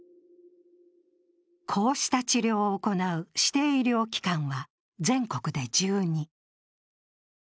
こうした治療を行う指定医療機関は全国で１２。